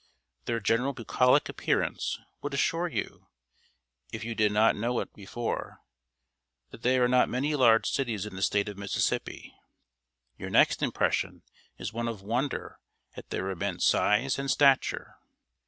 Their general bucolic appearance would assure you, if you did not know it before, that there are not many large cities in the State of Mississippi. Your next impression is one of wonder at their immense size and stature.